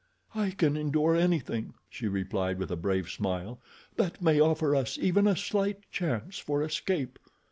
"I can endure anything," she replied with a brave smile, "that may offer us even a slight chance for escape."